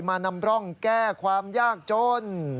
นำร่องแก้ความยากจน